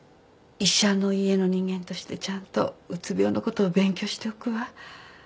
医者の家の人間としてちゃんとうつ病のことを勉強しておくわ。